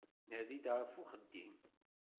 Nadi-d ɣef uxeddim.